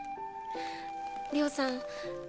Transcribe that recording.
涼さん。